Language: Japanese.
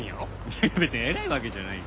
いや別に偉いわけじゃないよ。